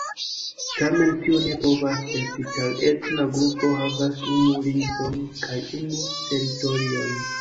Tamen tio ne povas esti, ĉar etna grupo havas unu lingvon kaj unu teritorion.